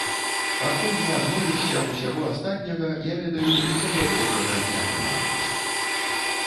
Пакуль не адмовішся ад усяго астатняга, я ведаю, нічога добрага не атрымаецца.